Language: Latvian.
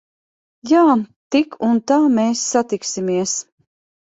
Jā. Tik un tā mēs satiksimies.